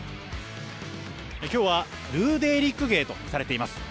今日はルー・ゲーリックデーとされています。